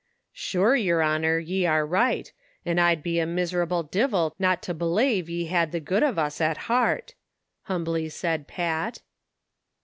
"Shure, yer honor, ye are right, an' I'd be a miserable divil to not belave ye had the good ov us at hart," humbly said Pat.